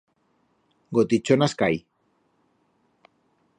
Gotichonas cai.